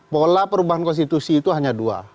pola perubahan konstitusi itu hanya dua